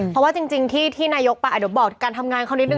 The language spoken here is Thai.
เพราะว่าจริงที่นายกปะอาจจะบอกการทำงานเขานิดหนึ่ง